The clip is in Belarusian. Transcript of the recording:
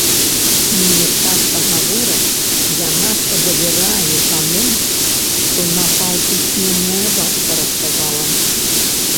Мне часта гавораць, я надта давяраю таму, што напаўпісьменная бабка расказала.